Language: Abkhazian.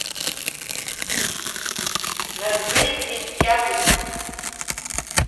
Назгәеиҭеит Кьагәагьы.